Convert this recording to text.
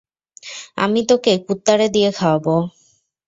আমি তোকে কুত্তারে দিয়ে খাওয়াবো।